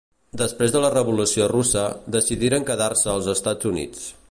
Després de la Revolució russa, decidiren quedar-se als Estats Units.